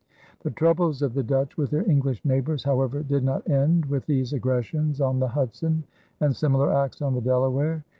The troubles of the Dutch with their English neighbors, however, did not end with these aggressions on the Hudson and similar acts on the Delaware.